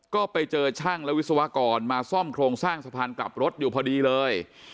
ก็ไปเจอช่างและวิศวกรมาซ่อมโครงสร้างสะพานกลับรถอยู่พอดีเลย